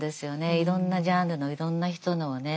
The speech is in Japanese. いろんなジャンルのいろんな人のをね。